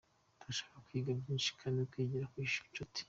Turashaka kwiga byinshi kandi wigira ku nshuti.